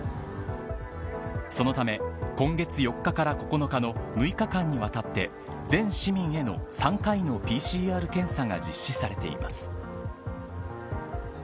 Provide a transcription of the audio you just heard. そのため、今月４日から９日の６日間にわたって全市民への３回のＰＣＲ検査が実施されています。